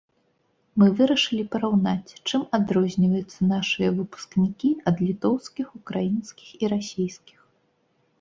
Мы вырашылі параўнаць, чым адрозніваюцца нашыя выпускнікі ад літоўскіх, украінскіх і расійскіх.